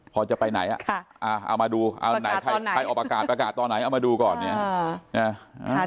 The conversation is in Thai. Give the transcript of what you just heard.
พอจะไปไหนเอามาดูเอาไหนใครออกประกาศประกาศตอนไหนเอามาดูก่อนเนี่ย